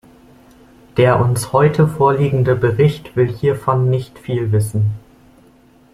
Der uns heute vorliegende Bericht will hiervon nicht viel wissen.